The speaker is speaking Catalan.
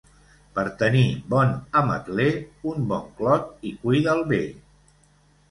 Per tenir bon ametler, un bon clot i cuida'l bé.